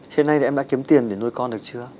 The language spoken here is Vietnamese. hiện nay thì em đã kiếm tiền để nuôi con được chưa